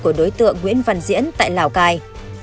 của đối tượng nguyễn văn diễn tại lào cai